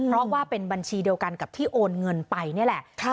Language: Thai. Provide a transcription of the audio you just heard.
เพราะว่าเป็นบัญชีเดียวกันกับที่โอนเงินไปนี่แหละ